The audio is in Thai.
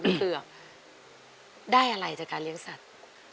เผือกได้อะไรจากการเลี้ยงสัตว์